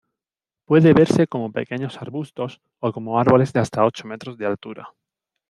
Puede verse como pequeños arbustos, o como árboles de hasta ocho metros de altura.